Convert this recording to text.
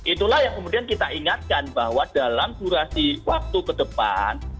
itulah yang kemudian kita ingatkan bahwa dalam durasi waktu ke depan